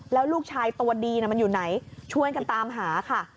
แล้วลูกชายตัวดีมันอยู่ไหนช่วยกันตามหาค่ะ